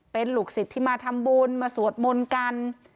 เป็นลูกศิษย์ที่มาทำบุญมาสวดมนต์กัน